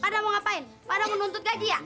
pada mau ngapain pada mau nuntut gaji ya